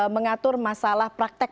mengatur masalah praktek